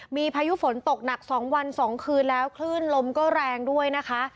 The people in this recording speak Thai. มีพายุฝนตกหนัก๒วัน๒คืนแล้วคลื่นลมก็แรงด้วยนะคะ